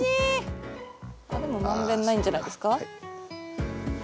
でも満遍ないんじゃないですか割と。